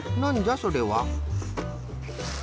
それは。